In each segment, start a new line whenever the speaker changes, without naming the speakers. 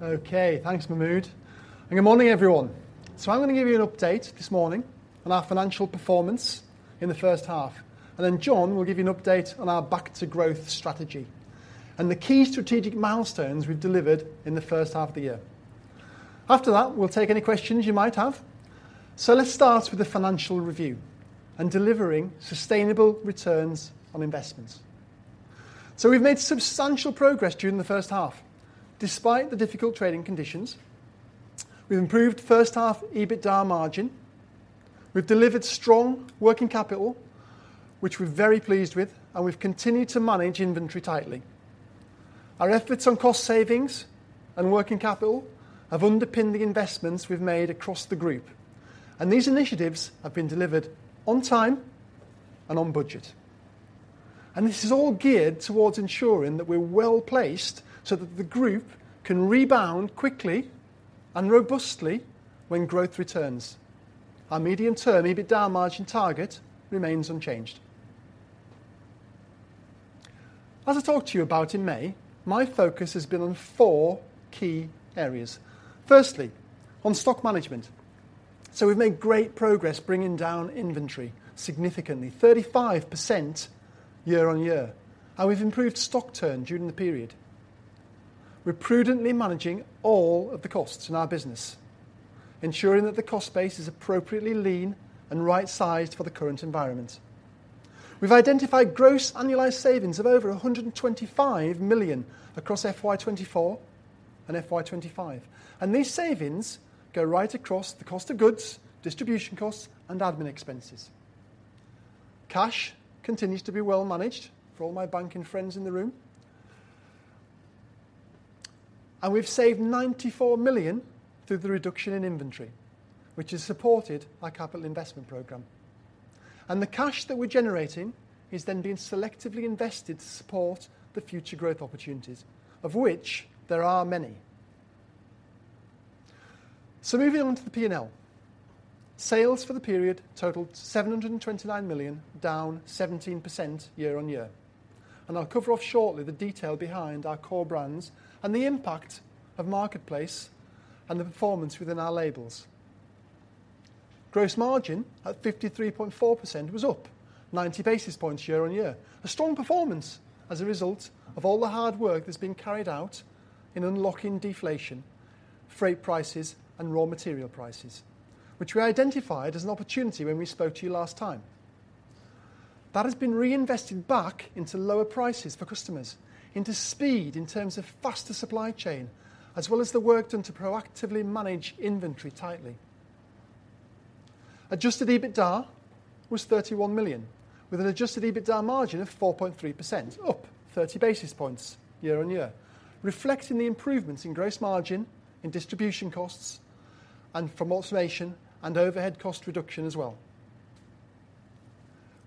Okay, thanks, Mahmud, and good morning, everyone. So I'm going to give you an update this morning on our financial performance in the first half, and then John will give you an update on our back to growth strategy and the key strategic milestones we've delivered in the first half of the year. After that, we'll take any questions you might have. So let's start with the financial review and delivering sustainable returns on investments. So we've made substantial progress during the first half, despite the difficult trading conditions. We've improved first half EBITDA margin. We've delivered strong working capital, which we're very pleased with, and we've continued to manage inventory tightly. Our efforts on cost savings and working capital have underpinned the investments we've made across the group, and these initiatives have been delivered on time and on budget. This is all geared towards ensuring that we're well-placed so that the group can rebound quickly and robustly when growth returns. Our medium-term EBITDA margin target remains unchanged. As I talked to you about in May, my focus has been on four key areas. Firstly, on stock management. So we've made great progress bringing down inventory significantly, 35% year-on-year, and we've improved stock turn during the period. We're prudently managing all of the costs in our business, ensuring that the cost base is appropriately lean and right-sized for the current environment. We've identified gross annualized savings of over 125 million across FY 2024 and FY 2025, and these savings go right across the cost of goods, distribution costs, and admin expenses. Cash continues to be well managed for all my banking friends in the room. We've saved 94 million through the reduction in inventory, which is supported by capital investment program. The cash that we're generating is then being selectively invested to support the future growth opportunities, of which there are many. Moving on to the P&L. Sales for the period totaled 729 million, down 17% year-on-year. I'll cover off shortly the detail behind our core brands and the impact of marketplace and the performance within our labels. Gross margin, at 53.4%, was up 90 basis points year-on-year, a strong performance as a result of all the hard work that's been carried out in unlocking deflation, freight prices, and raw material prices, which we identified as an opportunity when we spoke to you last time. That has been reinvested back into lower prices for customers, into speed in terms of faster supply chain, as well as the work done to proactively manage inventory tightly. Adjusted EBITDA was 31 million, with an adjusted EBITDA margin of 4.3%, up 30 basis points year-on-year, reflecting the improvements in gross margin, in distribution costs, and from automation and overhead cost reduction as well.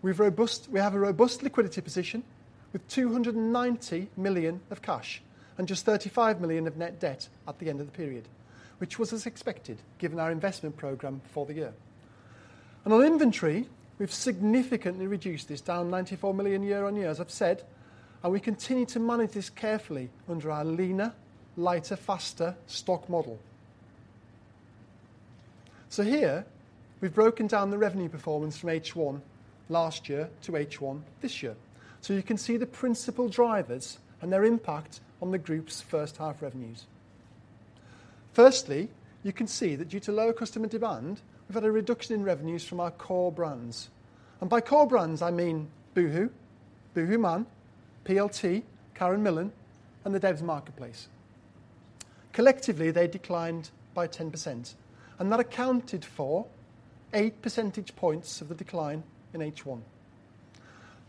We have a robust liquidity position with 290 million of cash and just 35 million of net debt at the end of the period, which was as expected, given our investment program for the year. On inventory, we've significantly reduced this, down 94 million year-on-year, as I've said, and we continue to manage this carefully under our leaner, lighter, faster stock model. So here we've broken down the revenue performance from H1 last year to H1 this year. So you can see the principal drivers and their impact on the group's first half revenues. Firstly, you can see that due to lower customer demand, we've had a reduction in revenues from our core brands. And by core brands, I mean Boohoo, BoohooMAN, PLT, Karen Millen, and the Debenhams marketplace. Collectively, they declined by 10%, and that accounted for 8 percentage points of the decline in H1.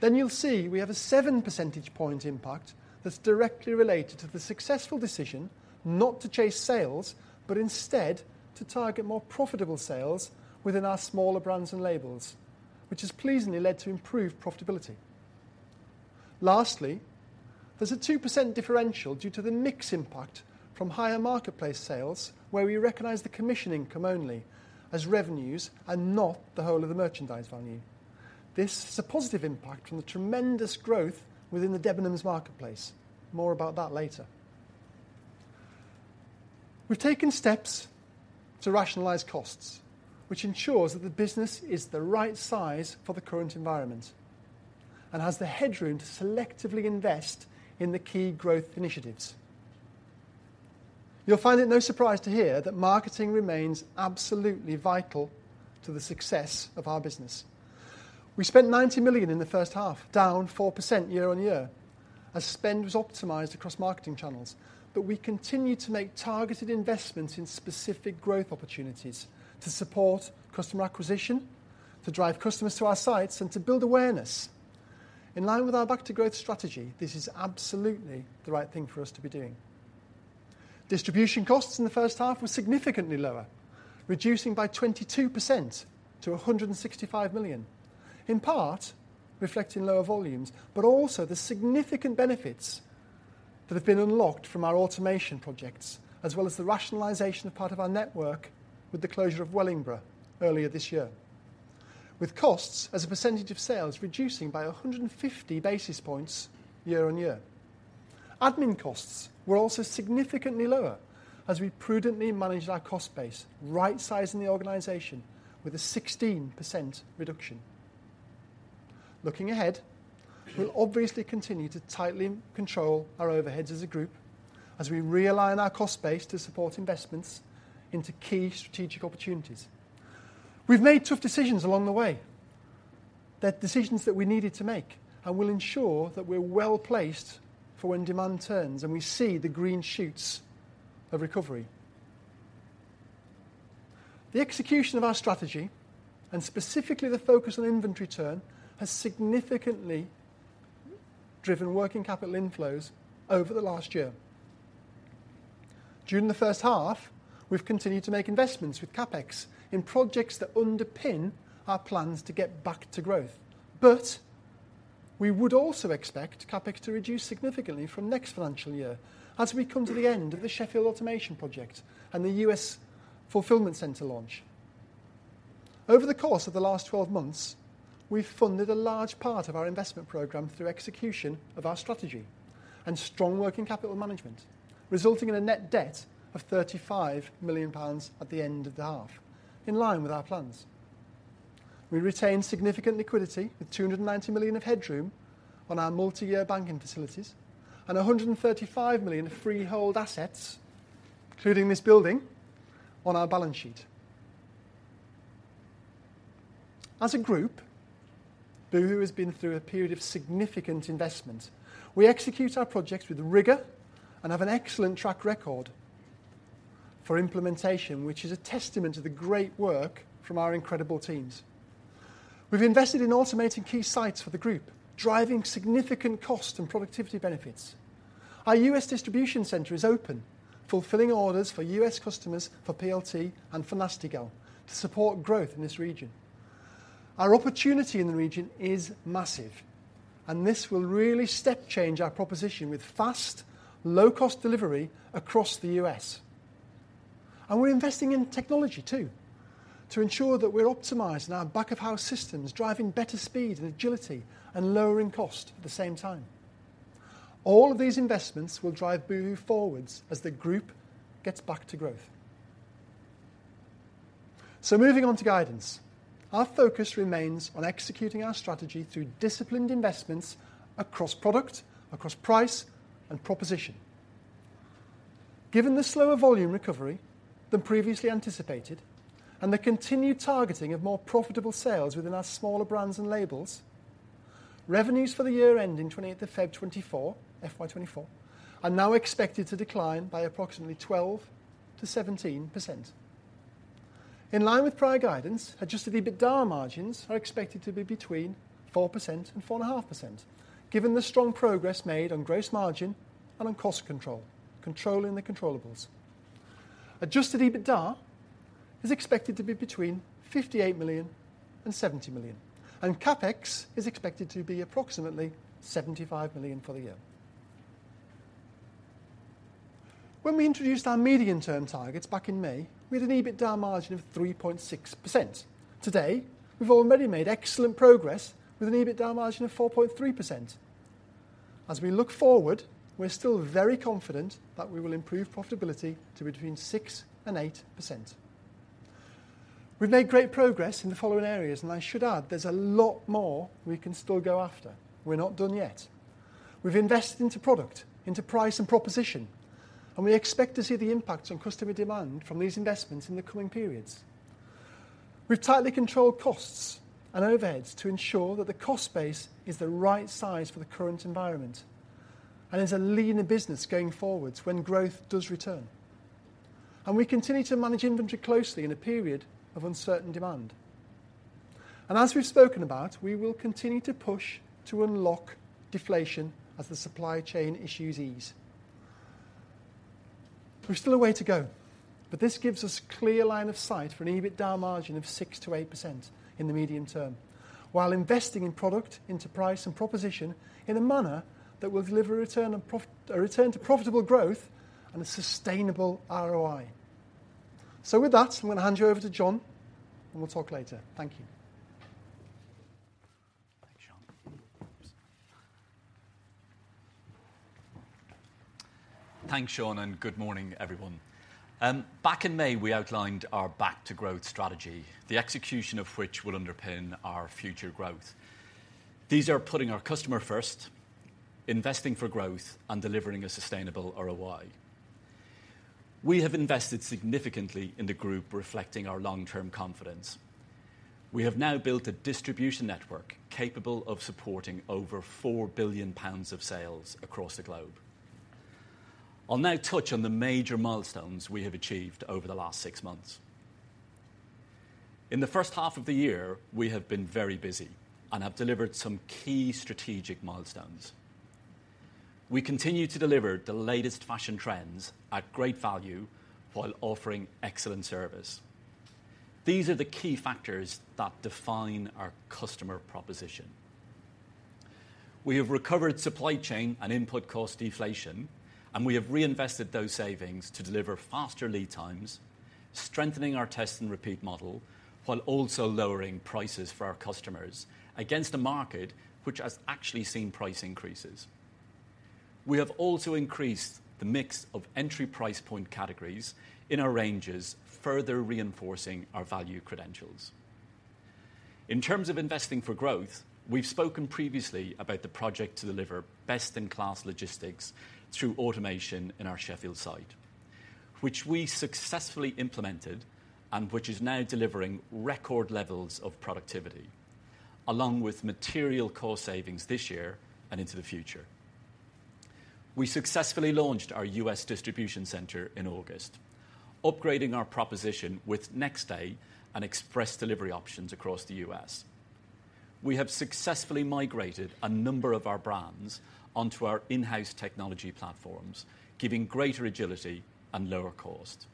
Then you'll see we have a 7 percentage point impact that's directly related to the successful decision not to chase sales, but instead to target more profitable sales within our smaller brands and labels, which has pleasingly led to improved profitability. Lastly, there's a 2% differential due to the mix impact from higher marketplace sales, where we recognize the commission income only as revenues and not the whole of the merchandise value. This is a positive impact from the tremendous growth within the Debenhams marketplace. More about that later. We've taken steps to rationalize costs, which ensures that the business is the right size for the current environment and has the headroom to selectively invest in the key growth initiatives. You'll find it no surprise to hear that marketing remains absolutely vital to the success of our business. We spent £90 million in the first half, down 4% year-on-year, as spend was optimized across marketing channels. But we continue to make targeted investments in specific growth opportunities to support customer acquisition, to drive customers to our sites, and to build awareness. In line with our back to growth strategy, this is absolutely the right thing for us to be doing. Distribution costs in the first half were significantly lower, reducing by 22% to 165 million, in part reflecting lower volumes, but also the significant benefits that have been unlocked from our automation projects, as well as the rationalization of part of our network with the closure of Wellingborough earlier this year, with costs as a percentage of sales reducing by 150 basis points year-on-year. Admin costs were also significantly lower as we prudently managed our cost base, right-sizing the organization with a 16% reduction. Looking ahead, we'll obviously continue to tightly control our overheads as a group, as we realign our cost base to support investments into key strategic opportunities. We've made tough decisions along the way. They're decisions that we needed to make, and will ensure that we're well-placed for when demand turns and we see the green shoots of recovery. The execution of our strategy, and specifically the focus on inventory turn, has significantly driven working capital inflows over the last year. During the first half, we've continued to make investments with CapEx in projects that underpin our plans to get back to growth. But we would also expect CapEx to reduce significantly from next financial year as we come to the end of the Sheffield automation project and the U.S. fulfillment center launch. Over the course of the last 12 months, we've funded a large part of our investment program through execution of our strategy and strong working capital management, resulting in a net debt of 35 million pounds at the end of the half, in line with our plans. We retained significant liquidity, with 290 million of headroom on our multi-year banking facilities and 135 million of freehold assets, including this building, on our balance sheet. As a group, boohoo has been through a period of significant investment. We execute our projects with rigor and have an excellent track record for implementation, which is a testament to the great work from our incredible teams. We've invested in automating key sites for the group, driving significant cost and productivity benefits. Our U.S. distribution center is open, fulfilling orders for U.S. customers for PLT and for Nasty Gal to support growth in this region. Our opportunity in the region is massive, and this will really step change our proposition with fast, low-cost delivery across the U.S. We're investing in technology too, to ensure that we're optimizing our back-of-house systems, driving better speed and agility and lowering cost at the same time. All of these investments will drive boohoo forward as the group gets back to growth. So moving on to guidance. Our focus remains on executing our strategy through disciplined investments across product, across price, and proposition. Given the slower volume recovery than previously anticipated, and the continued targeting of more profitable sales within our smaller brands and labels, revenues for the year ending 28th of February 2024, FY 2024, are now expected to decline by approximately 12%-17%. In line with prior guidance, adjusted EBITDA margins are expected to be between 4% and 4.5%, given the strong progress made on gross margin and on cost control, controlling the controllables. Adjusted EBITDA is expected to be between 58 million and 70 million, and CapEx is expected to be approximately 75 million for the year. When we introduced our medium-term targets back in May with an EBITDA margin of 3.6%, today, we've already made excellent progress with an EBITDA margin of 4.3%. As we look forward, we're still very confident that we will improve profitability to between 6% and 8%. We've made great progress in the following areas, and I should add, there's a lot more we can still go after. We're not done yet. We've invested into product, into price and proposition, and we expect to see the impacts on customer demand from these investments in the coming periods. We've tightly controlled costs and overheads to ensure that the cost base is the right size for the current environment and is a leaner business going forward when growth does return. We continue to manage inventory closely in a period of uncertain demand. As we've spoken about, we will continue to push to unlock deflation as the supply chain issues ease. There's still a way to go, but this gives us clear line of sight for an EBITDA margin of 6%-8% in the medium term, while investing in product, into price and proposition in a manner that will deliver a return to profitable growth and a sustainable ROI. With that, I'm going to hand you over to John, and we'll talk later. Thank you.
Thanks, Shaun. Thanks, Shaun, and good morning, everyone. Back in May, we outlined our back to growth strategy, the execution of which will underpin our future growth. These are putting our customer first, investing for growth, and delivering a sustainable ROI. We have invested significantly in the group, reflecting our long-term confidence. We have now built a distribution network capable of supporting over 4 billion pounds of sales across the globe. I'll now touch on the major milestones we have achieved over the last 6 months. In the first half of the year, we have been very busy and have delivered some key strategic milestones. We continue to deliver the latest fashion trends at great value while offering excellent service. These are the key factors that define our customer proposition. We have recovered supply chain and input cost deflation, and we have reinvested those savings to deliver faster lead times, strengthening our test and repeat model, while also lowering prices for our customers against a market which has actually seen price increases. We have also increased the mix of entry price point categories in our ranges, further reinforcing our value credentials. In terms of investing for growth, we've spoken previously about the project to deliver best-in-class logistics through automation in our Sheffield site, which we successfully implemented and which is now delivering record levels of productivity, along with material cost savings this year and into the future. We successfully launched our U.S. distribution center in August, upgrading our proposition with next-day and express delivery options across the U.S. We have successfully migrated a number of our brands onto our in-house technology platforms, giving greater agility and lower cost.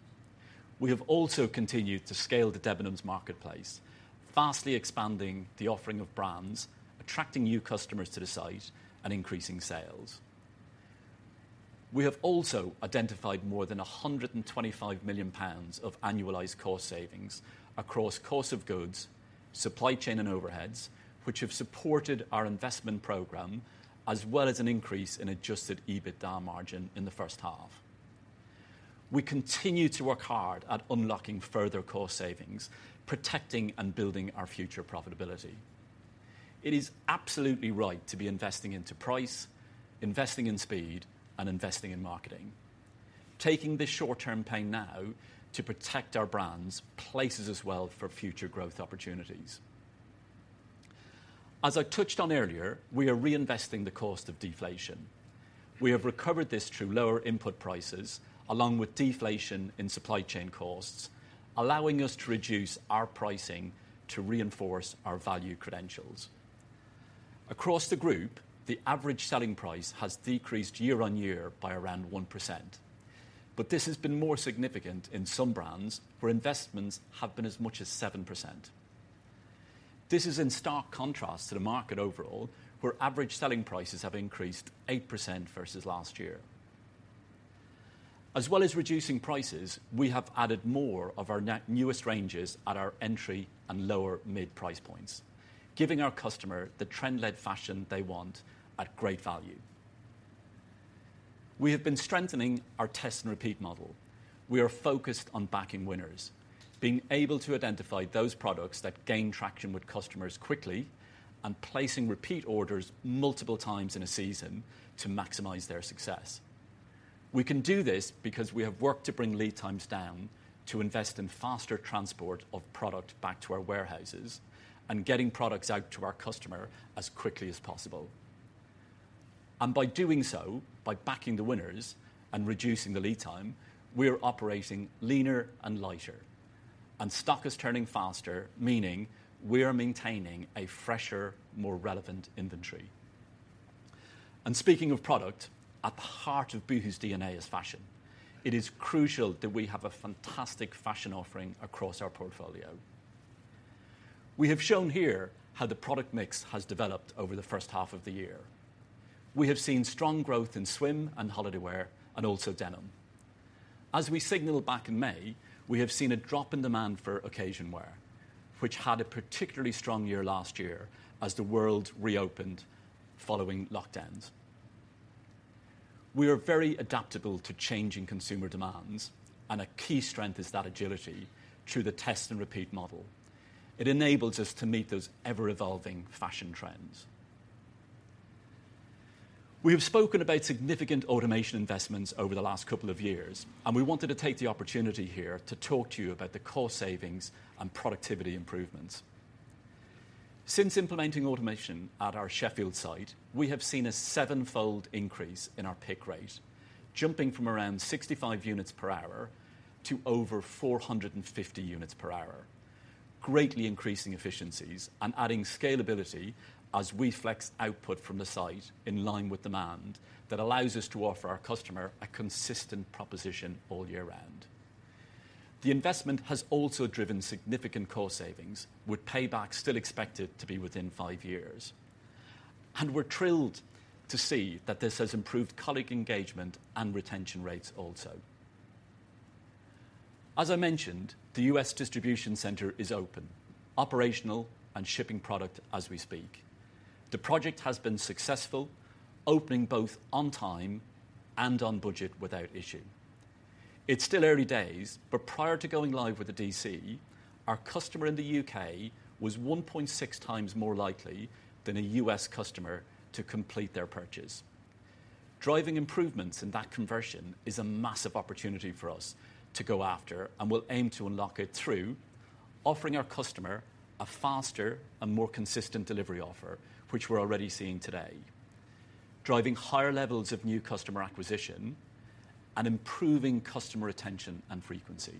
We have also continued to scale the Debenhams marketplace, vastly expanding the offering of brands, attracting new customers to the site and increasing sales. We have also identified more than 125 million pounds of annualized cost savings across cost of goods, supply chain, and overheads, which have supported our investment program, as well as an increase in Adjusted EBITDA margin in the first half. We continue to work hard at unlocking further cost savings, protecting and building our future profitability. It is absolutely right to be investing into price, investing in speed, and investing in marketing, taking the short-term pain now to protect our brands, places us well for future growth opportunities. As I touched on earlier, we are reinvesting the cost of deflation. We have recovered this through lower input prices, along with deflation in supply chain costs, allowing us to reduce our pricing to reinforce our value credentials. Across the group, the average selling price has decreased year-on-year by around 1%, but this has been more significant in some brands, where investments have been as much as 7%. This is in stark contrast to the market overall, where average selling prices have increased 8% versus last year. As well as reducing prices, we have added more of our net newest ranges at our entry and lower mid-price points, giving our customer the trend-led fashion they want at great value. We have been strengthening our test and repeat model. We are focused on backing winners, being able to identify those products that gain traction with customers quickly and placing repeat orders multiple times in a season to maximize their success. We can do this because we have worked to bring lead times down to invest in faster transport of product back to our warehouses and getting products out to our customer as quickly as possible. And by doing so, by backing the winners and reducing the lead time, we are operating leaner and lighter, and stock is turning faster, meaning we are maintaining a fresher, more relevant inventory. And speaking of product, at the heart of boohoo's DNA is fashion. It is crucial that we have a fantastic fashion offering across our portfolio. We have shown here how the product mix has developed over the first half of the year. We have seen strong growth in swim and holiday wear and also denim. As we signaled back in May, we have seen a drop in demand for occasion wear, which had a particularly strong year last year as the world reopened following lockdowns. We are very adaptable to changing consumer demands, and a key strength is that agility through the Test and Repeat model. It enables us to meet those ever-evolving fashion trends. We have spoken about significant automation investments over the last couple of years, and we wanted to take the opportunity here to talk to you about the cost savings and productivity improvements. Since implementing automation at our Sheffield site, we have seen a seven fold increase in our pick rate, jumping from around 65 units per hour to over 450 units per hour, greatly increasing efficiencies and adding scalability as we flex output from the site in line with demand that allows us to offer our customer a consistent proposition all year round. The investment has also driven significant cost savings, with payback still expected to be within five years, and we're thrilled to see that this has improved colleague engagement and retention rates also. As I mentioned, the U.S. distribution center is open, operational, and shipping product as we speak. The project has been successful, opening both on time and on budget without issue. It's still early days, but prior to going live with the DC, our customer in the U.K. was 1.6x more likely than a U.S. customer to complete their purchase. Driving improvements in that conversion is a massive opportunity for us to go after, and we'll aim to unlock it through offering our customer a faster and more consistent delivery offer, which we're already seeing today, driving higher levels of new customer acquisition and improving customer retention and frequency.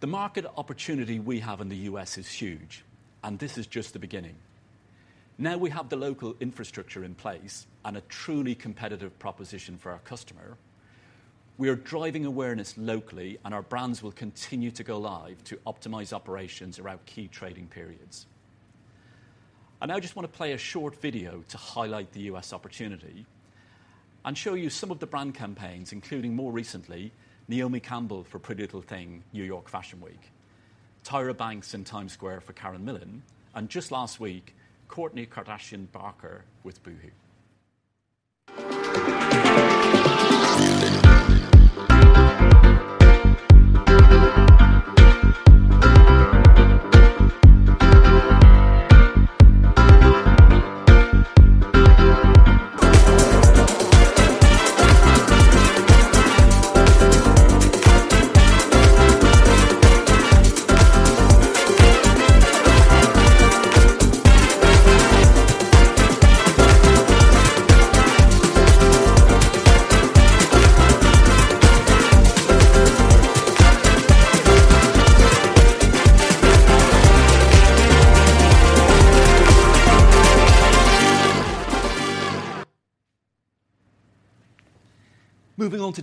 The market opportunity we have in the U.S. is huge, and this is just the beginning. Now we have the local infrastructure in place and a truly competitive proposition for our customer. We are driving awareness locally, and our brands will continue to go live to optimize operations around key trading periods. I now just want to play a short video to highlight the U.S. opportunity and show you some of the brand campaigns, including more recently, Naomi Campbell for PrettyLittleThing, New York Fashion Week, Tyra Banks in Times Square for Karen Millen, and just last week, Kourtney Kardashian Barker with boohoo.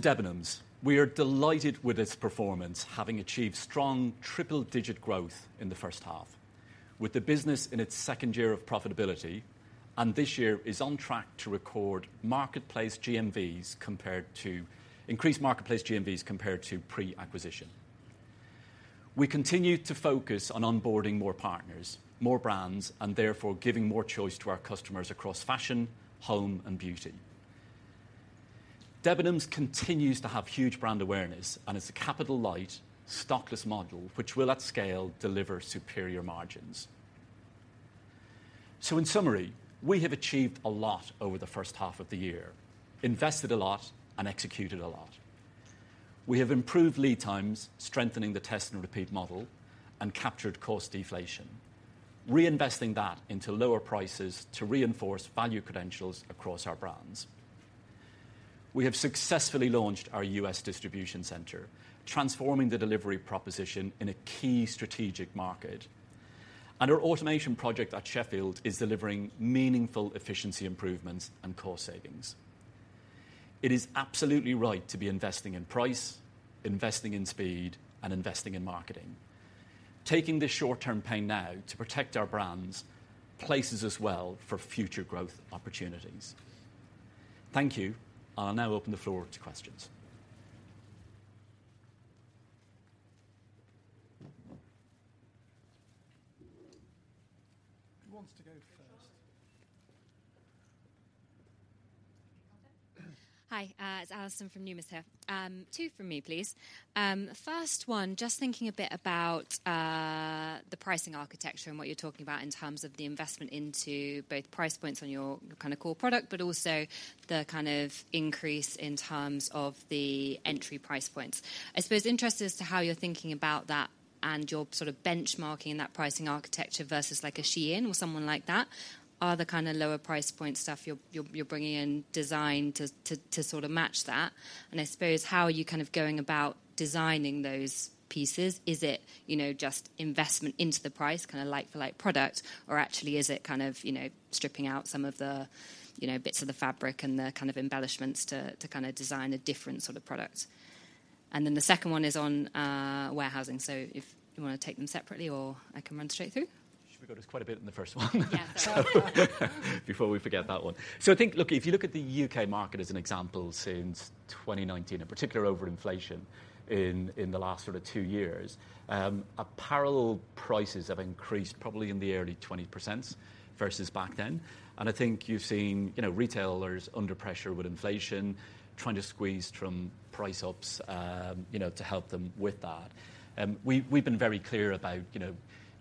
Moving on to Debenhams, we are delighted with its performance, having achieved strong triple-digit growth in the first half, with the business in its second year of profitability, and this year is on track to increased marketplace GMVs compared to pre-acquisition. We continue to focus on onboarding more partners, more brands, and therefore giving more choice to our customers across fashion, home, and beauty. Debenhams continues to have huge brand awareness and is a capital-light, stockless model, which will, at scale, deliver superior margins. In summary, we have achieved a lot over the first half of the year, invested a lot, and executed a lot. We have improved lead times, strengthening the test and repeat model, and captured cost deflation, reinvesting that into lower prices to reinforce value credentials across our brands. We have successfully launched our U.S. distribution center, transforming the delivery proposition in a key strategic market, and our automation project at Sheffield is delivering meaningful efficiency improvements and cost savings. It is absolutely right to be investing in price, investing in speed, and investing in marketing. Taking the short-term pain now to protect our brands places us well for future growth opportunities. Thank you. I'll now open the floor to questions.
Who wants to go first?
Hi, it's Alison from Numis here. Two from me, please. First one, just thinking a bit about the pricing architecture and what you're talking about in terms of the investment into both price points on your kind of core product, but also the kind of increase in terms of the entry price points. I suppose interested as to how you're thinking about that and your sort of benchmarking in that pricing architecture versus like a Shein or someone like that. Are the kind of lower price point stuff you're bringing in designed to sort of match that? And I suppose, how are you kind of going about designing those pieces? Is it, you know, just investment into the price, kind of like for like product, or actually is it kind of, you know, stripping out some of the, you know, bits of the fabric and the kind of embellishments to, to kind of design a different sort of product? And then the second one is on warehousing. So if you want to take them separately or I can run straight through.
Should we go. There's quite a bit in the first one.
Yeah.
So before we forget that one. So I think, look, if you look at the U.K. market as an example, since 2019, in particular over inflation in the last sort of two years, apparel prices have increased probably in the early 20%s versus back then. And I think you've seen, you know, retailers under pressure with inflation, trying to squeeze from price ups, you know, to help them with that. We've been very clear about, you know,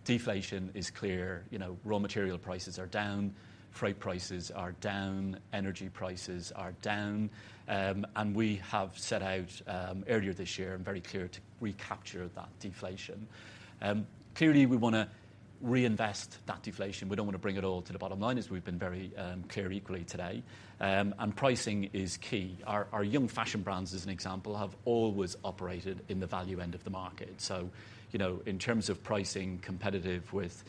deflation is clear, you know, raw material prices are down, freight prices are down, energy prices are down. And we have set out, earlier this year and very clear to recapture that deflation. Clearly, we wanna reinvest that deflation. We don't want to bring it all to the bottom line, as we've been very clear equally today. And pricing is key. Our young fashion brands, as an example, have always operated in the value end of the market. So, you know, in terms of pricing competitive with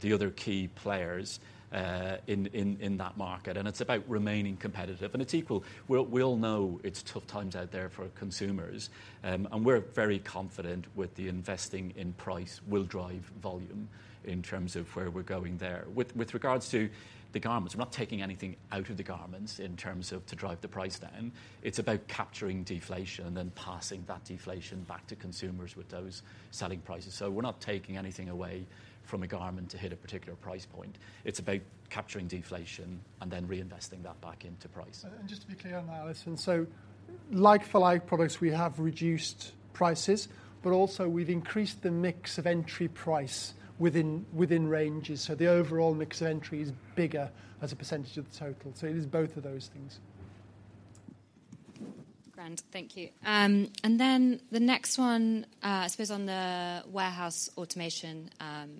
the other key players in that market, and it's about remaining competitive, and it's equal. We all know it's tough times out there for consumers. And we're very confident with the investing in price will drive volume in terms of where we're going there. With regards to the garments, we're not taking anything out of the garments in terms of to drive the price down. It's about capturing deflation and then passing that deflation back to consumers with those selling prices. So we're not taking anything away from a garment to hit a particular price point. It's about capturing deflation and then reinvesting that back into price.
Just to be clear on that, Alison, so like for like products, we have reduced prices, but also we've increased the mix of entry price within ranges. So the overall mix of entry is bigger as a percentage of the total. So it is both of those things.
Grand, thank you. And then the next one, I suppose on the warehouse automation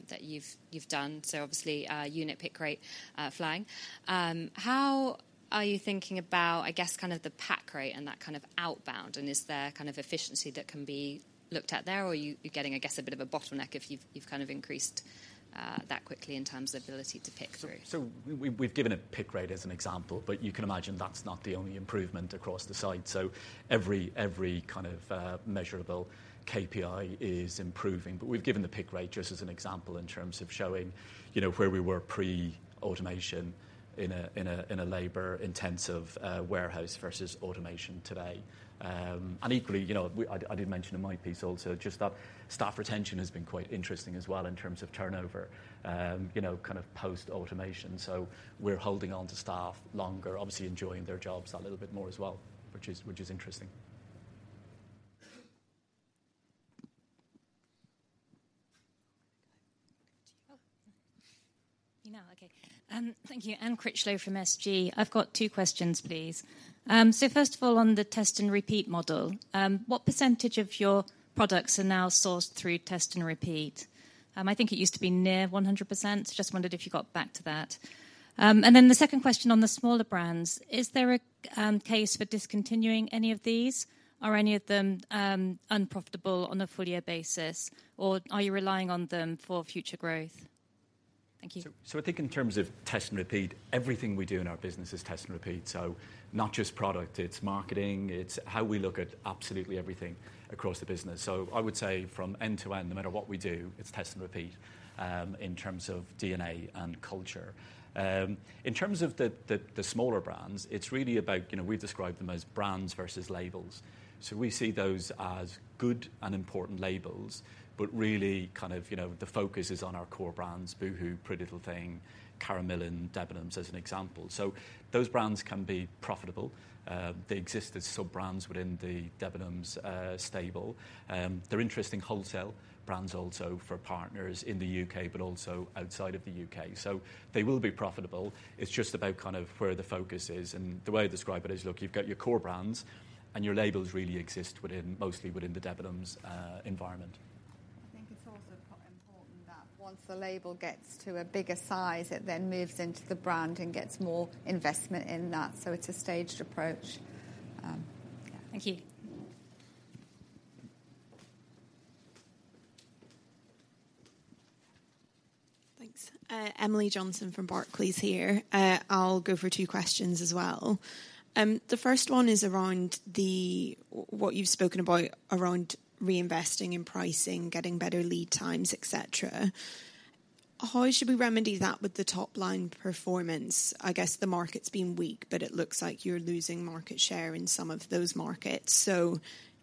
that you've done, so obviously, unit pick rate flying. How are you thinking about, I guess, kind of the pack rate and that kind of outbound, and is there kind of efficiency that can be looked at there? Or are you getting, I guess, a bit of a bottleneck if you've kind of increased that quickly in terms of ability to pick through?
So we've given a pick rate as an example, but you can imagine that's not the only improvement across the site. Every kind of measurable KPI is improving. But we've given the pick rate just as an example in terms of showing, you know, where we were pre-automation in a labor-intensive warehouse versus automation today. And equally, you know, I did mention in my piece also, just that staff retention has been quite interesting as well in terms of turnover, you know, kind of post-automation. So we're holding on to staff longer, obviously enjoying their jobs a little bit more as well, which is interesting.
Oh, you now? Okay. Thank you. Anne Critchlow from SG. I've got two questions, please. So first of all, on the Test and Repeat model, what percentage of your products are now sourced through Test and Repeat? I think it used to be near 100%, just wondered if you got back to that. And then the second question on the smaller brands, is there a case for discontinuing any of these? Are any of them unprofitable on a full year basis, or are you relying on them for future growth? Thank you.
So I think in terms of test and repeat, everything we do in our business is test and repeat. So not just product, it's marketing, it's how we look at absolutely everything across the business. So I would say from end to end, no matter what we do, it's test and repeat in terms of DNA and culture. In terms of the smaller brands, it's really about, you know, we've described them as brands versus labels. So we see those as good and important labels, but really kind of, you know, the focus is on our core brands, boohoo, PrettyLittleThing, Karen Millen, Debenhams, as an example. So those brands can be profitable. They exist as sub-brands within the Debenhams stable. They're interesting wholesale brands also for partners in the U.K., but also outside of the U.K. So they will be profitable. It's just about kind of where the focus is, and the way I describe it is, look, you've got your core brands, and your labels really exist within, mostly within the Debenhams environment.
I think it's also quite important that once the label gets to a bigger size, it then moves into the brand and gets more investment in that, so it's a staged approach. Yeah.
Thank you.
Thanks. Emily Johnson from Barclays here. I'll go for two questions as well. The first one is around what you've spoken about around reinvesting in pricing, getting better lead times, et cetera. How should we remedy that with the top line performance? I guess the market's been weak, but it looks like you're losing market share in some of those markets. So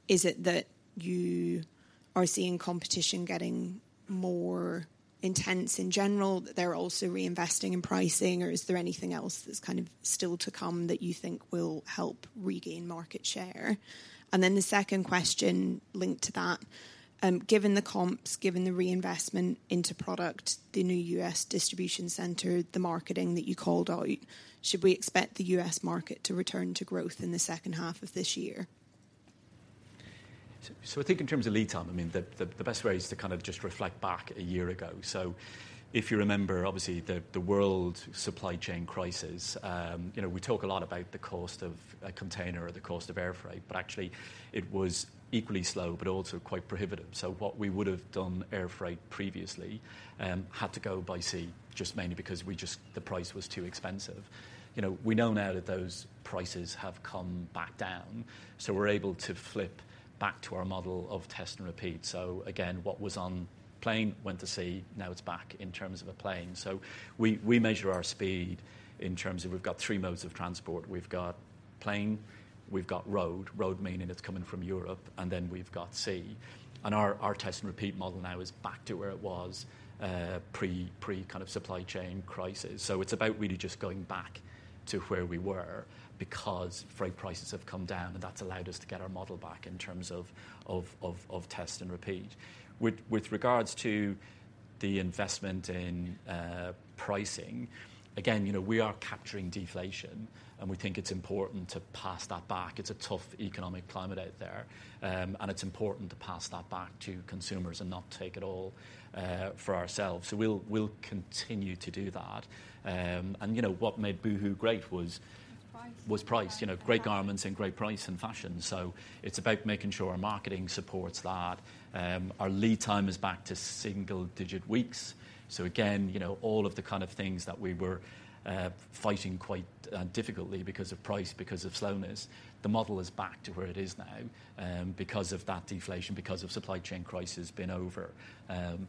is it that you are seeing competition getting more intense in general, that they're also reinvesting in pricing, or is there anything else that's kind of still to come that you think will help regain market share? And then the second question linked to that, given the comps, given the reinvestment into product, the new U.S. distribution center, the marketing that you called out, should we expect the U.S. market to return to growth in the second half of this year?
So, I think in terms of lead time, I mean, the best way is to kind of just reflect back a year ago. So if you remember, obviously, the world supply chain crisis, you know, we talk a lot about the cost of a container or the cost of air freight, but actually it was equally slow, but also quite prohibitive. So what we would have done air freight previously had to go by sea, just mainly because we just. The price was too expensive. You know, we know now that those prices have come back down, so we're able to flip back to our model of test and repeat. So again, what was on plane went to sea, now it's back in terms of a plane. So we measure our speed in terms of we've got three modes of transport. We've got plane, we've got road, road meaning it's coming from Europe, and then we've got sea. Our test and repeat model now is back to where it was pre kind of supply chain crisis. So it's about really just going back to where we were because freight prices have come down, and that's allowed us to get our model back in terms of test and repeat. With regards to the investment in pricing, again, you know, we are capturing Deflation, and we think it's important to pass that back. It's a tough economic climate out there, and it's important to pass that back to consumers and not take it all for ourselves. So we'll continue to do that. And you know, what made boohoo great was-
Price
was price. You know, great garments and great price and fashion. So it's about making sure our marketing supports that. Our lead time is back to single digit weeks. So again, you know, all of the kind of things that we were fighting quite difficultly because of price, because of slowness, the model is back to where it is now, because of that deflation, because of supply chain crisis being over.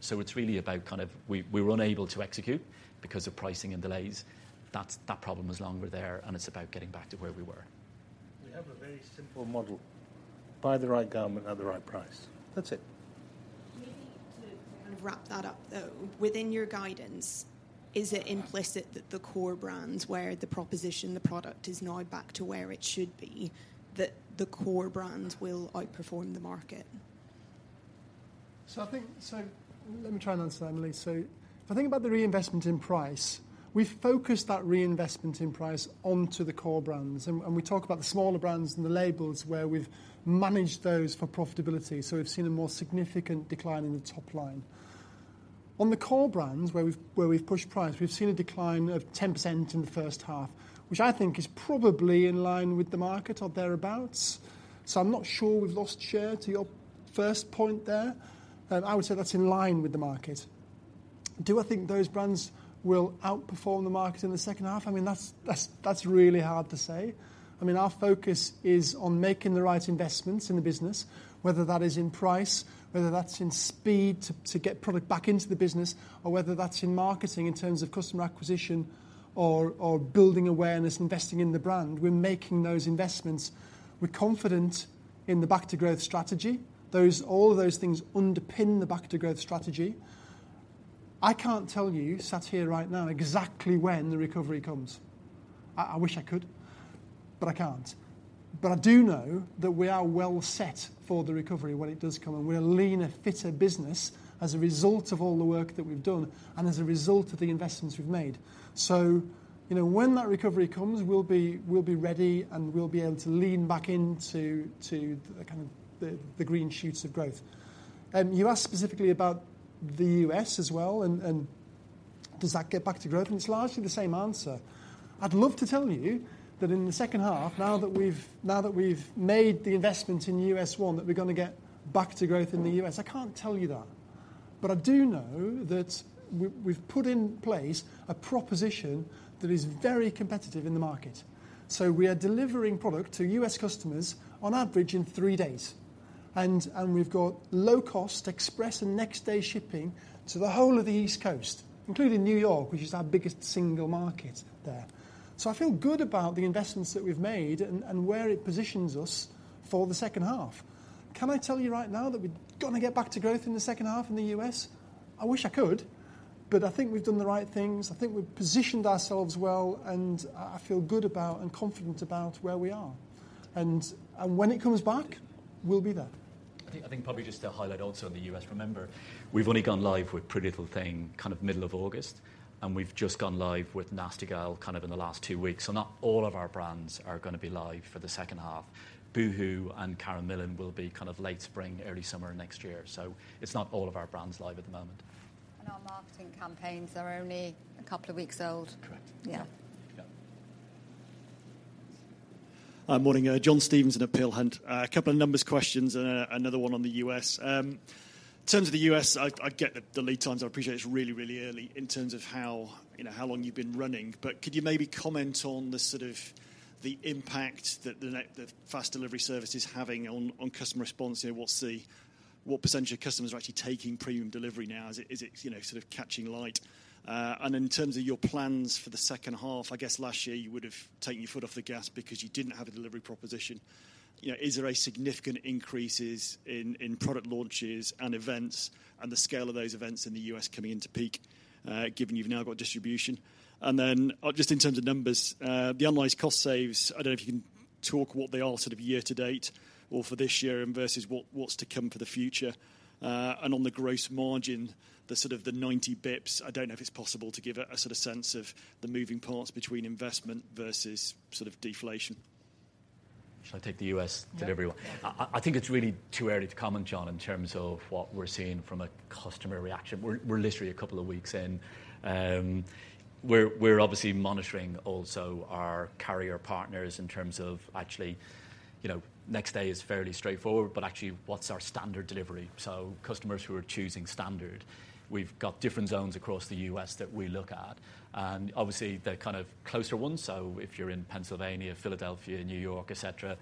So it's really about kind of, we, we were unable to execute because of pricing and delays. That, that problem is longer there, and it's about getting back to where we were.
We have a very simple model: buy the right garment at the right price. That's it.
Maybe to kind of wrap that up, though, within your guidance, is it implicit that the core brands, where the proposition, the product, is now back to where it should be, that the core brands will outperform the market?
So I think, so let me try and answer that, Emily. So I think about the reinvestment in price, we've focused that reinvestment in price onto the core brands, and we talk about the smaller brands and the labels where we've managed those for profitability, so we've seen a more significant decline in the top line. On the core brands, where we've pushed price, we've seen a decline of 10% in the first half, which I think is probably in line with the market or thereabouts. So I'm not sure we've lost share to your first point there. I would say that's in line with the market. Do I think those brands will outperform the market in the second half? I mean, that's really hard to say. I mean, our focus is on making the right investments in the business, whether that is in price, whether that's in speed, to get product back into the business, or whether that's in marketing in terms of customer acquisition or building awareness, investing in the brand. We're making those investments. We're confident in the back to growth strategy. Those. All of those things underpin the back to growth strategy. I can't tell you, sat here right now, exactly when the recovery comes. I wish I could, but I can't. But I do know that we are well set for the recovery when it does come, and we're a leaner, fitter business as a result of all the work that we've done and as a result of the investments we've made. So, you know, when that recovery comes, we'll be, we'll be ready, and we'll be able to lean back into to the, kind of the, the green shoots of growth. You asked specifically about the U.S. as well, and, and does that get back to growth? It's largely the same answer. I'd love to tell you that in the second half, now that we've, now that we've made the investment in U.S. one, that we're gonna get back to growth in the U.S. I can't tell you that. But I do know that we, we've put in place a proposition that is very competitive in the market. So we are delivering product to U.S. customers on average in three days, and, and we've got low-cost express and next day shipping to the whole of the East Coast, including New York, which is our biggest single market there. So I feel good about the investments that we've made and, and where it positions us for the second half. Can I tell you right now that we're gonna get back to growth in the second half in the U.S.? I wish I could, but I think we've done the right things. I think we've positioned ourselves well, and I, I feel good about and confident about where we are. And, and when it comes back, we'll be there.
I think, I think probably just to highlight also in the U.S., remember, we've only gone live with PrettyLittleThing kind of middle of August, and we've just gone live with Nasty Gal, kind of in the last two weeks. So not all of our brands are gonna be live for the second half. Boohoo and Karen Millen will be kind of late spring, early summer next year. So it's not all of our brands live at the moment.
Our marketing campaigns are only a couple of weeks old.
Correct.
Yeah.
Yeah.
Morning. John Stevenson at Peel Hunt. A couple of numbers questions and another one on the U.S. In terms of the U.S., I get the lead times. I appreciate it's really early in terms of how, you know, how long you've been running. But could you maybe comment on the sort of impact that the next- the fast delivery service is having on customer response? You know, what's the. What percentage of customers are actually taking premium delivery now? Is it, you know, sort of catching on? And in terms of your plans for the second half, I guess last year you would've taken your foot off the gas because you didn't have a delivery proposition. You know, is there a significant increases in, in product launches and events and the scale of those events in the U.S. coming into peak, given you've now got distribution? And then, just in terms of numbers, the analyzed cost saves, I don't know if you can talk what they are sort of year to date or for this year and versus what, what's to come for the future. And on the gross margin, the sort of the ninety basis points, I don't know if it's possible to give, a sort of sense of the moving parts between investment versus sort of deflation.
Shall I take the U.S. delivery one?
Yeah.
I think it's really too early to comment, John, in terms of what we're seeing from a customer reaction. We're literally a couple of weeks in. We're obviously monitoring also our carrier partners in terms of actually, you know, next day is fairly straightforward, but actually, what's our standard delivery? So customers who are choosing standard, we've got different zones across the U.S. that we look at, and obviously, they're kind of closer ones. So if you're in Pennsylvania, Philadelphia, New York, et cetera,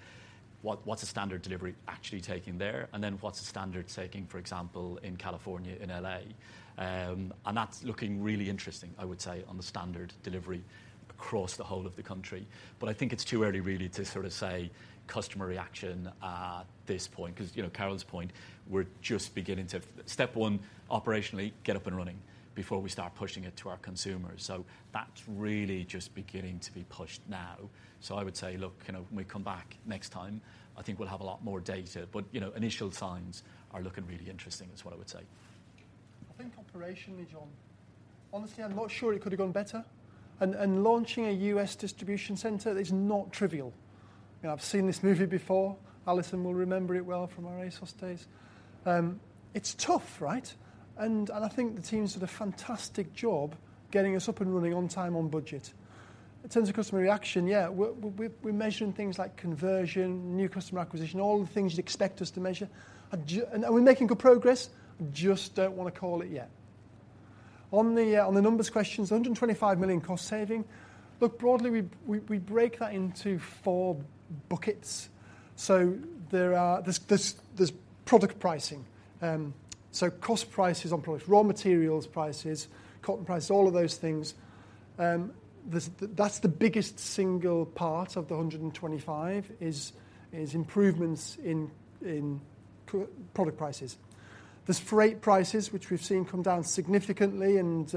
what's the standard delivery actually taking there? And then, what's the standard taking, for example, in California, in L.A.? And that's looking really interesting, I would say, on the standard delivery across the whole of the country. But I think it's too early really to sort of say customer reaction at this point, 'cause, you know, Carol's point, we're just beginning to, step one, operationally, get up and running before we start pushing it to our consumers. So that's really just beginning to be pushed now. So I would say, look, you know, when we come back next time, I think we'll have a lot more data. But, you know, initial signs are looking really interesting, is what I would say.
I think operationally, John, honestly, I'm not sure it could have gone better, and launching a U.S. distribution center is not trivial. You know, I've seen this movie before. Alison will remember it well from our ASOS days. It's tough, right? And I think the teams did a fantastic job getting us up and running on time, on budget. In terms of customer reaction, yeah, we're measuring things like conversion, new customer acquisition, all the things you'd expect us to measure. And are we making good progress? Just don't wanna call it yet. On the numbers questions, 125 million cost saving. Look, broadly, we break that into four buckets. So there are. There's product pricing. So cost prices on products, raw materials prices, cotton prices, all of those things. That's the biggest single part of the 125, is improvements in product prices. There's freight prices, which we've seen come down significantly, and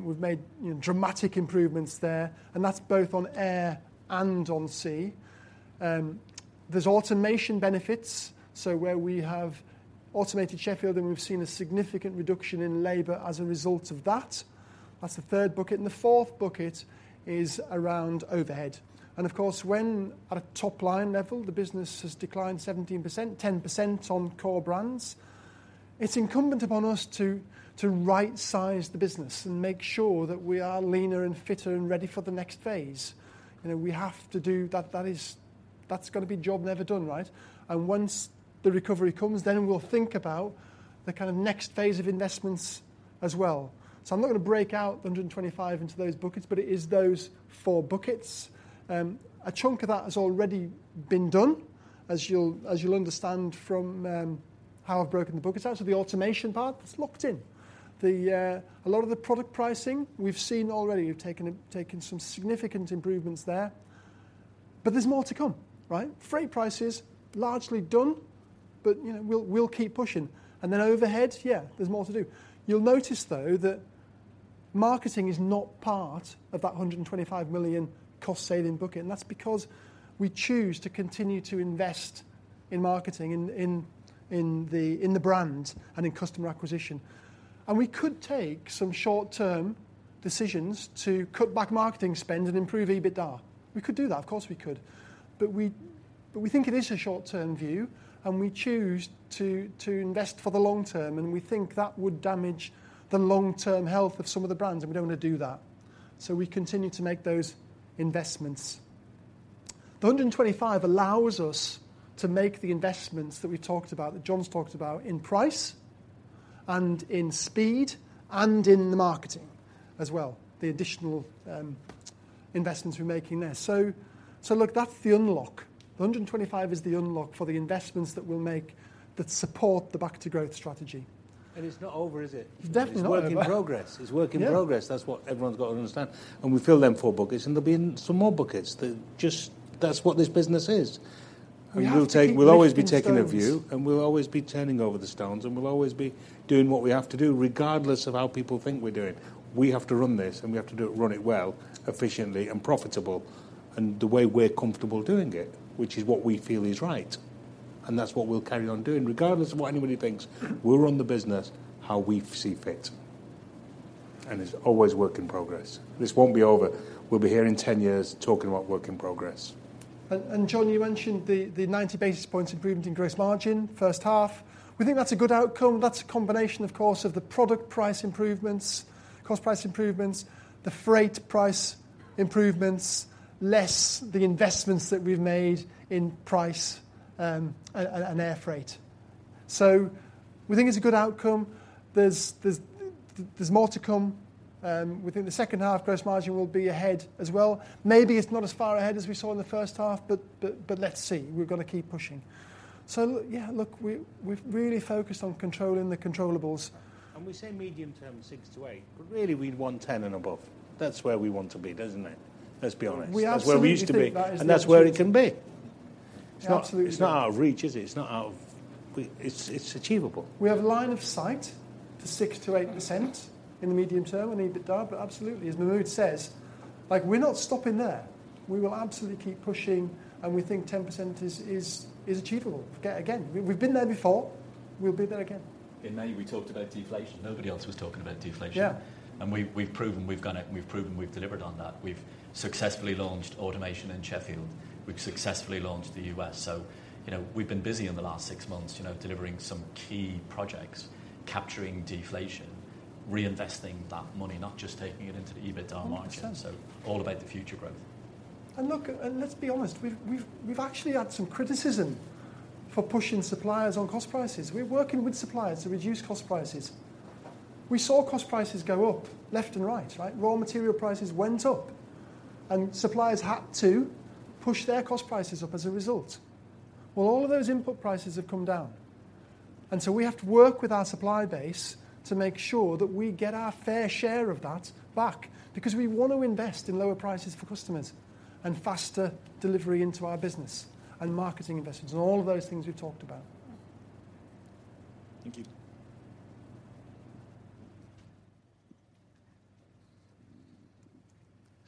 we've made, you know, dramatic improvements there, and that's both on air and on sea. There's automation benefits, so where we have automated Sheffield, and we've seen a significant reduction in labor as a result of that. That's the third bucket, and the fourth bucket is around overhead. Of course, when at a top-line level, the business has declined 17%, 10% on core brands, it's incumbent upon us to right-size the business and make sure that we are leaner and fitter and ready for the next phase. You know, we have to do that, that is, that's gonna be job never done, right? Once the recovery comes, then we'll think about the kind of next phase of investments as well. So I'm not going to break out the 125 into those buckets, but it is those four buckets. A chunk of that has already been done, as you'll understand from how I've broken the buckets out. So the automation part, it's locked in. A lot of the product pricing, we've seen already. We've taken some significant improvements there, but there's more to come, right? Freight prices, largely done, but you know, we'll keep pushing. And then overhead, yeah, there's more to do. You'll notice, though, that marketing is not part of that 125 million cost-saving bucket, and that's because we choose to continue to invest in marketing, in the brand and in customer acquisition. We could take some short-term decisions to cut back marketing spend and improve EBITDA. We could do that. Of course, we could. But we, but we think it is a short-term view, and we choose to, to invest for the long term, and we think that would damage the long-term health of some of the brands, and we don't want to do that. So we continue to make those investments. The 125 allows us to make the investments that we talked about, that John's talked about, in price and in speed and in the marketing as well, the additional investments we're making there. So look, that's the unlock. The 125 is the unlock for the investments that we'll make that support the back to growth strategy.
And it's not over, is it?
It's definitely not over.
It's work in progress. It's work in progress.
Yeah.
That's what everyone's got to understand. And we fill them four buckets, and there'll be some more buckets. That's what this business is.
We have to keep pushing the stones.
We'll take, we'll always be taking a view, and we'll always be turning over the stones, and we'll always be doing what we have to do, regardless of how people think we're doing. We have to run this, and we have to do it, run it well, efficiently and profitable, and the way we're comfortable doing it, which is what we feel is right. That's what we'll carry on doing. Regardless of what anybody thinks, we'll run the business how we see fit, and it's always work in progress. This won't be over. We'll be here in 10 years talking about work in progress.
And John, you mentioned the 90 basis points improvement in gross margin, first half. We think that's a good outcome. That's a combination, of course, of the product price improvements, cost price improvements, the freight price improvements, less the investments that we've made in price and air freight. So we think it's a good outcome. There's more to come. Within the second half, gross margin will be ahead as well. Maybe it's not as far ahead as we saw in the first half, but let's see. We've got to keep pushing. So, yeah, look, we've really focused on controlling the controllables.
We say medium term, six to eight, but really, we'd want 10 and above. That's where we want to be, doesn't it? Let's be honest.
We absolutely think that is-
That's where we used to be, and that's where it can be.
Absolutely.
It's not out of reach, is it? It's achievable.
We have a line of sight to 6%-8% in the medium term in EBITDA, but absolutely, as Mahmud says, like, we're not stopping there. We will absolutely keep pushing, and we think 10% is achievable. Again, we've been there before. We'll be there again.
In May, we talked about deflation. Nobody else was talking about deflation.
Yeah.
And we've proven we've got it, and we've proven we've delivered on that. We've successfully launched automation in Sheffield. We've successfully launched the U.S. So, you know, we've been busy in the last six months, you know, delivering some key projects, capturing deflation, reinvesting that money, not just taking it into the EBITDA margin.
Hundred percent.
All about the future growth.
Look, let's be honest. We've actually had some criticism for pushing suppliers on cost prices. We're working with suppliers to reduce cost prices. We saw cost prices go up left and right, right? Raw material prices went up, and suppliers had to push their cost prices up as a result. Well, all of those input prices have come down, and so we have to work with our supplier base to make sure that we get our fair share of that back because we want to invest in lower prices for customers and faster delivery into our business and marketing investments and all of those things we've talked about.
Thank you.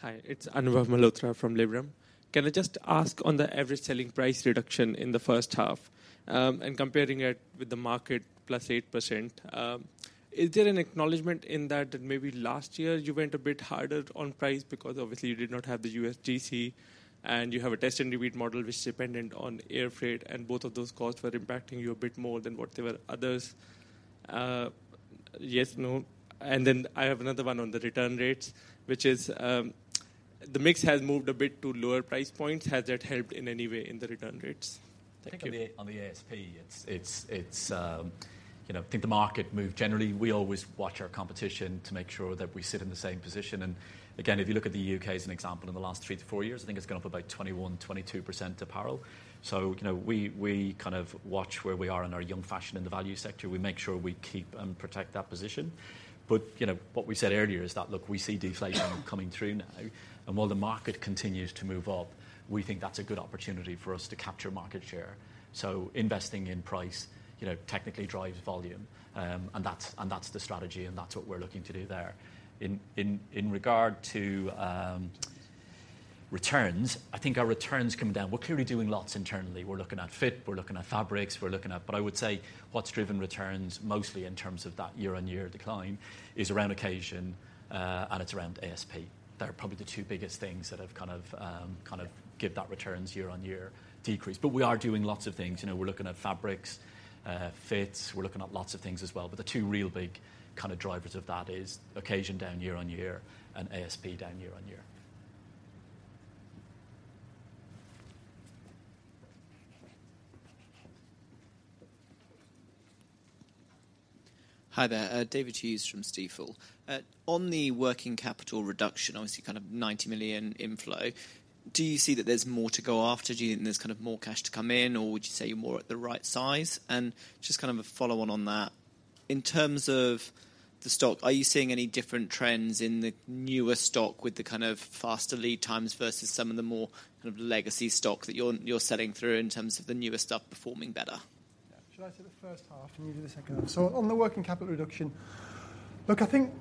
Hi, it's Anubhav Malhotra from Liberum. Can I just ask on the average selling price reduction in the first half, and comparing it with the market plus 8%, is there an acknowledgment in that, that maybe last year you went a bit harder on price because obviously you did not have the U.S. GC, and you have a test and repeat model, which is dependent on air freight, and both of those costs were impacting you a bit more than what they were others? Yes, no. And then I have another one on the return rates, which is, the mix has moved a bit to lower price points. Has that helped in any way in the return rates? Thank you.
I think on the ASP, it's, you know, I think the market moved generally. We always watch our competition to make sure that we sit in the same position. And again, if you look at the U.K. as an example, in the last three to four years, I think it's gone up about 21%-22% apparel. So, you know, we kind of watch where we are in our young fashion and the value sector. We make sure we keep and protect that position. But, you know, what we said earlier is that, look, we see deflation coming through now, and while the market continues to move up, we think that's a good opportunity for us to capture market share. So investing in price, you know, technically drives volume, and that's the strategy, and that's what we're looking to do there. In regard to returns, I think our returns coming down, we're clearly doing lots internally. We're looking at fit, we're looking at fabrics, we're looking at, but I would say what's driven returns mostly in terms of that year-on-year decline is around occasion, and it's around ASP. They're probably the two biggest things that have kind of kind of give that returns year-on-year decrease. But we are doing lots of things. You know, we're looking at fabrics, fits, we're looking at lots of things as well. But the two real big kind of drivers of that is occasion down year-on-year and ASP down year-on-year.
Hi there, David Hughes from Stifel. On the working capital reduction, obviously, kind of £90 million inflow, do you see that there's more to go after? Do you think there's kind of more cash to come in, or would you say you're more at the right size? And just kind of a follow-on on that, in terms of the stock, are you seeing any different trends in the newer stock with the kind of faster lead times versus some of the more kind of legacy stock that you're selling through in terms of the newer stuff performing better?
Yeah. Should I take the first half, and you do the second half? So on the working capital reduction. Look, I think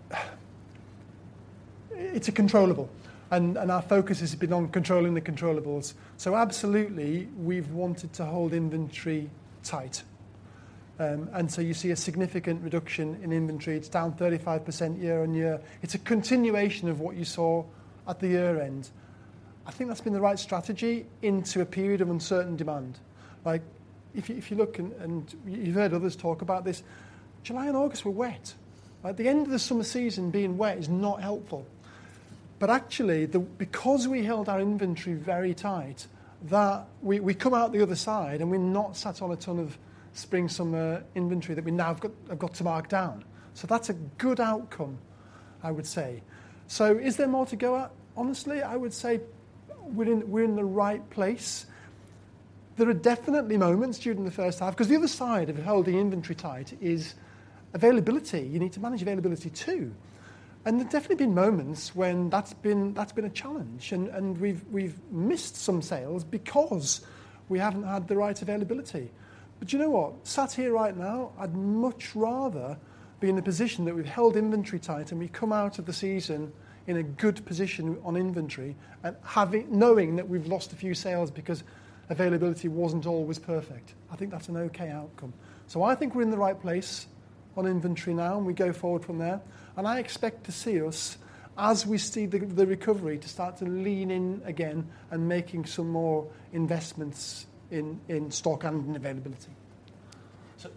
it's a controllable, and our focus has been on controlling the controllables. So absolutely, we've wanted to hold inventory tight. And so you see a significant reduction in inventory. It's down 35% year-on-year. It's a continuation of what you saw at the year-end. I think that's been the right strategy into a period of uncertain demand. Like, if you look, and you've heard others talk about this, July and August were wet. At the end of the summer season, being wet is not helpful. But actually, because we held our inventory very tight, that we come out the other side, and we've not sat on a ton of spring/summer inventory that we now have got to mark down. So that's a good outcome, I would say. So is there more to go up? Honestly, I would say we're in the right place. There are definitely moments during the first half, 'cause the other side of holding inventory tight is availability. You need to manage availability, too. And there's definitely been moments when that's been a challenge, and we've missed some sales because we haven't had the right availability. But you know what? Sat here right now, I'd much rather be in a position that we've held inventory tight, and we've come out of the season in a good position on inventory and having, knowing that we've lost a few sales because availability wasn't always perfect. I think that's an okay outcome. So I think we're in the right place on inventory now, and we go forward from there. I expect to see us, as we see the recovery, to start to lean in again and making some more investments in stock and in availability.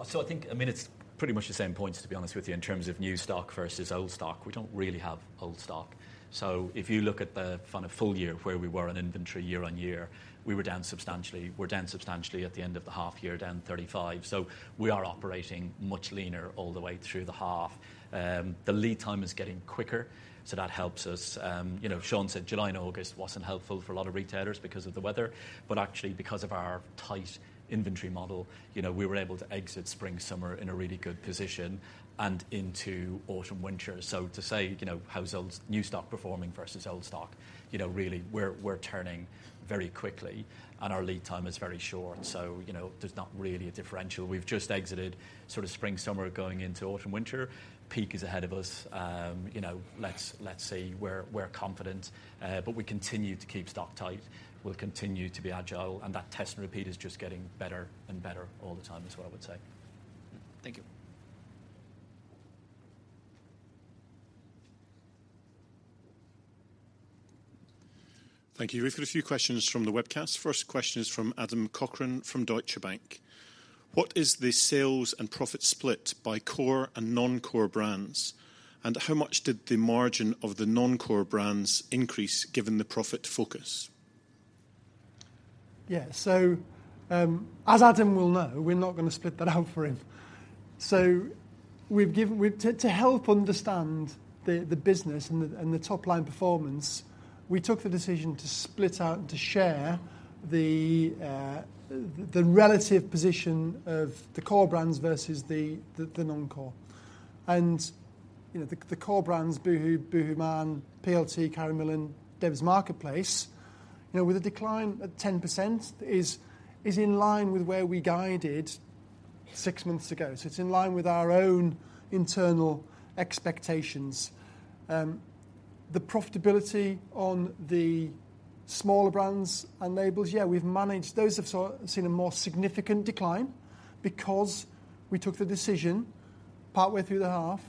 So I think, I mean, it's pretty much the same points, to be honest with you, in terms of new stock versus old stock. We don't really have old stock. So if you look at the kind of full year, where we were on inventory year-on-year, we were down substantially. We're down substantially at the end of the half year, down 35. So we are operating much leaner all the way through the half. The lead time is getting quicker, so that helps us. You know, Shaun said July and August wasn't helpful for a lot of retailers because of the weather, but actually, because of our tight inventory model, you know, we were able to exit spring/summer in a really good position and into autumn/winter. So to say, you know, how's old... new stock performing versus old stock, you know, really, we're, we're turning very quickly, and our lead time is very short. So, you know, there's not really a differential. We've just exited sort of spring/summer, going into autumn/winter. Peak is ahead of us. You know, let's, let's see. We're, we're confident, but we continue to keep stock tight. We'll continue to be agile, and that test and repeat is just getting better and better all the time, is what I would say.
Thank you.
Thank you. We've got a few questions from the webcast. First question is from Adam Cochrane from Deutsche Bank: What is the sales and profit split by core and non-core brands, and how much did the margin of the non-core brands increase, given the profit focus?
Yeah. So, as Adam will know, we're not going to split that out for him. So we've—to help understand the business and the top-line performance, we took the decision to split out, to share the relative position of the core brands versus the non-core. And, you know, the core brands, boohoo, boohooMAN, PLT, Karen Millen, Debenhams Marketplace, you know, with a decline at 10% is in line with where we guided six months ago. So it's in line with our own internal expectations. The profitability on the smaller brands and labels, yeah, we've managed. Those have seen a more significant decline because we took the decision, partway through the half,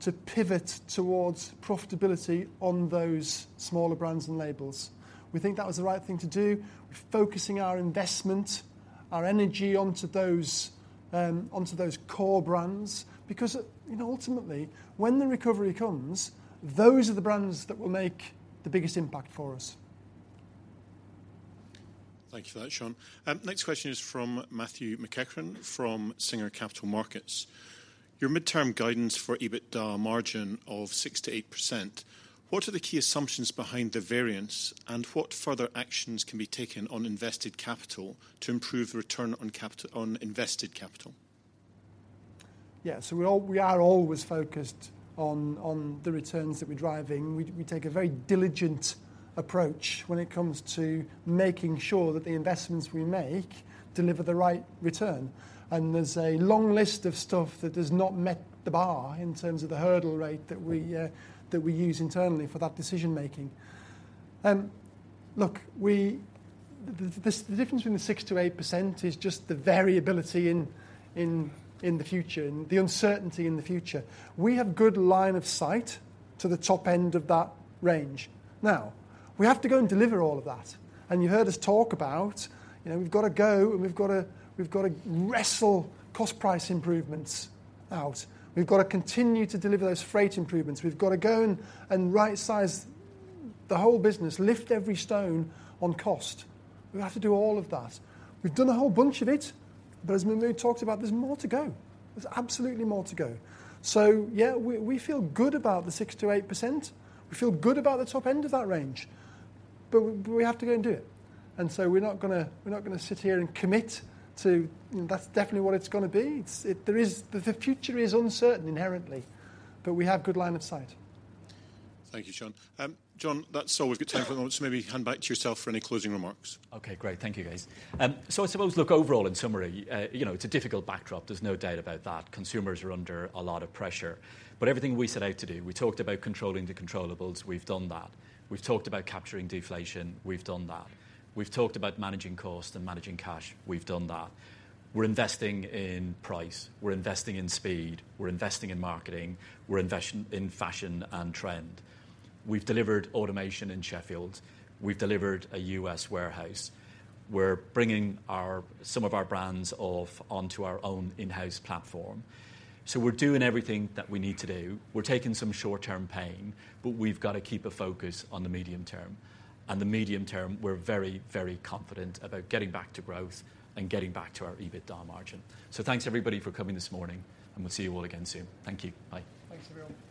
to pivot towards profitability on those smaller brands and labels. We think that was the right thing to do. We're focusing our investment, our energy onto those, onto those core brands because, you know, ultimately, when the recovery comes, those are the brands that will make the biggest impact for us.
Thank you for that, Shaun. Next question is from Matthew McEachran from Singer Capital Markets: Your midterm guidance for EBITDA margin of 6%-8%, what are the key assumptions behind the variance, and what further actions can be taken on invested capital to improve the return on invested capital?
Yeah, so we are always focused on the returns that we're driving. We take a very diligent approach when it comes to making sure that the investments we make deliver the right return. And there's a long list of stuff that has not met the bar in terms of the hurdle rate that we use internally for that decision making. Look, the difference between 6%-8% is just the variability in the future, and the uncertainty in the future. We have good line of sight to the top end of that range. Now, we have to go and deliver all of that, and you heard us talk about, you know, we've got to go, and we've got to wrestle cost price improvements out. We've got to continue to deliver those freight improvements. We've got to go and rightsize the whole business, lift every stone on cost. We have to do all of that. We've done a whole bunch of it, but as we talked about, there's more to go. There's absolutely more to go. So yeah, we, we feel good about the 6%-8%. We feel good about the top end of that range, but we, we have to go and do it. And so we're not gonna, we're not gonna sit here and commit to, "That's definitely what it's gonna be." There is. The future is uncertain inherently, but we have good line of sight.
Thank you, Shaun. John, that's all we've got time for, so maybe hand back to yourself for any closing remarks.
Okay, great. Thank you, guys. So I suppose, look, overall, in summary, you know, it's a difficult backdrop, there's no doubt about that. Consumers are under a lot of pressure. But everything we set out to do, we talked about controlling the controllables, we've done that. We've talked about capturing deflation, we've done that. We've talked about managing cost and managing cash, we've done that. We're investing in price, we're investing in speed, we're investing in marketing, we're investing in fashion and trend. We've delivered automation in Sheffield. We've delivered a U.S. warehouse. We're bringing our, some of our brands off onto our own in-house platform. So we're doing everything that we need to do. We're taking some short-term pain, but we've got to keep a focus on the medium term. The medium term, we're very, very confident about getting back to growth and getting back to our EBITDA margin. Thanks, everybody, for coming this morning, and we'll see you all again soon. Thank you. Bye.
Thanks, everyone.